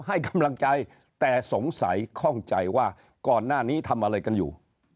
ให้กำลังใจแต่สงสัยข้องใจว่าก่อนหน้านี้ทำอะไรกันอยู่